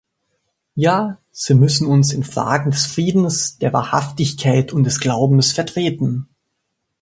Ja, Sie müssen uns in Fragen des Friedens, der Wahrhaftigkeit und des Glaubens vertreten.